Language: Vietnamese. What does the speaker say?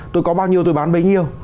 tôi có bao nhiêu tôi bán bấy nhiêu